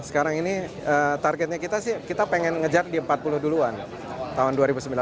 sekarang ini targetnya kita sih kita pengen ngejar di empat puluh duluan tahun dua ribu sembilan belas